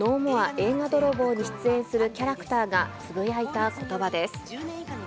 映画泥棒に出演するキャラクターが、つぶやいたことばです。